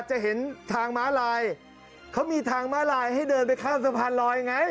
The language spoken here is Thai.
จะเห็นทางม้าลายเขามีทางม้าลายให้เดินไปข้ามสะพานลอยไง